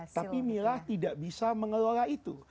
tapi mila tidak bisa mengelola itu